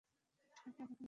তোমাকে অনেক মিস করেছি।